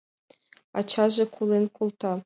Ачаже колен колта.